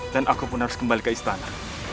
dan aku pun harus kembali ke istana